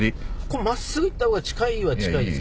真っすぐ行った方が近いは近いですけど。